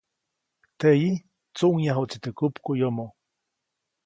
Teʼyi, tsuʼŋyajuʼtsi teʼ kupkuʼyomoʼ.